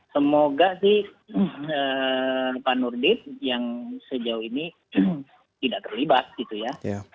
semoga sih pak nurdit yang sejauh ini tidak terlibat gitu ya